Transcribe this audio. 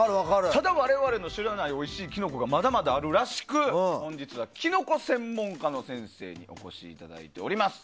ただ、我々の知らないおいしいキノコがまだまだあるらしく本日はキノコ専門家の先生にお越しいただいております。